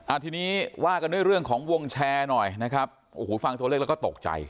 ทีนี้ว่ากันด้วยเรื่องของวงแชร์หน่อยนะครับโอ้โหฟังตัวเลขแล้วก็ตกใจ